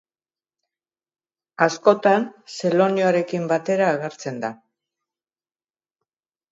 Askotan Seloniarekin batera agertzen da.